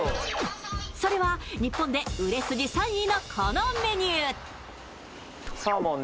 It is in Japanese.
それは日本で売れ筋３位のこのメニュー。